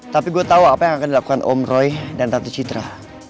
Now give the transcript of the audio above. tapi gue tahu apa yang akan dilakukan om roy dan ratu citra